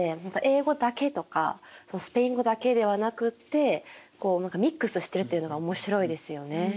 また英語だけとかスペイン語だけではなくってミックスしてるというのが面白いですよね。